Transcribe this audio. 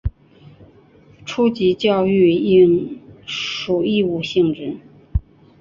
初级教育应属义务性质。